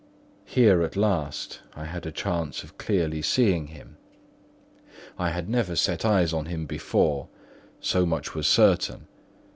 Here, at last, I had a chance of clearly seeing him. I had never set eyes on him before, so much was certain.